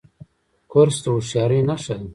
کورس د هوښیارۍ نښه ده.